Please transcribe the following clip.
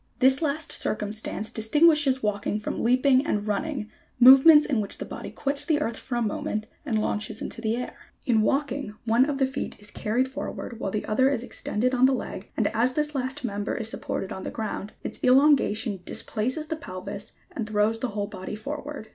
This last circumstance dis tinguishes walking from leaping and running, movements in which the body quits the earth for a moment and launches into the air. 90. In walking, one of the feet is carried forward, while the other is extended on the leg, and as this last member is supported on the ground, its elongation displaces the pelvis and throws the whole body forward.